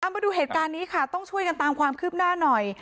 มาดูเหตุการณ์นี้ค่ะต้องช่วยกันตามความคืบหน้าหน่อย